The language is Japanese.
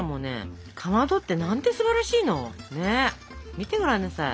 見てごらんなさい。